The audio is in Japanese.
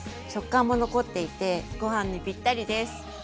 食感も残っていてご飯にぴったりです。